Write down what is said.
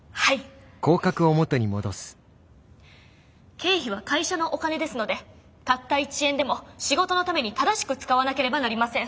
経費は会社のお金ですのでたった１円でも仕事のために正しく使わなければなりません。